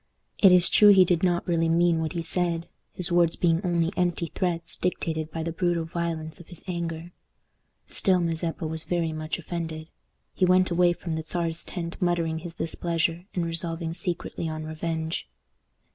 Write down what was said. It is true he did not really mean what he said, his words being only empty threats dictated by the brutal violence of his anger. Still, Mazeppa was very much offended. He went away from the Czar's tent muttering his displeasure, and resolving secretly on revenge.